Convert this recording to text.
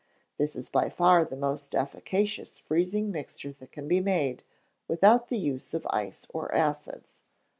This is by far the most efficacious freezing mixture that can be made without the use of ice or acids.